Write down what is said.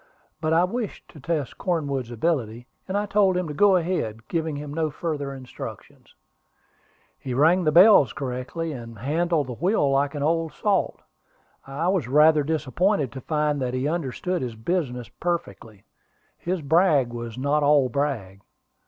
But I wished to test Cornwood's ability, and I told him to go ahead, giving him no further instructions. He rang the bells correctly, and handled the wheel like an old salt. I was rather disappointed to find that he understood his business perfectly. His brag was not all brag.